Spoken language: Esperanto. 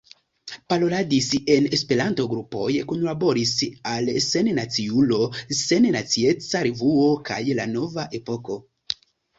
Paroladis en Esperanto-grupoj, kunlaboris al Sennaciulo, Sennacieca Revuo kaj La Nova Epoko.